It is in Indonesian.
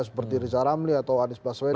seperti riza ramli atau anies baswedan